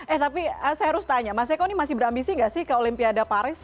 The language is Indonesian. eh tapi saya harus tanya mas eko ini masih berambisi gak sih ke olimpiade paris